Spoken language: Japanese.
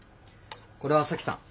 これは沙樹さん。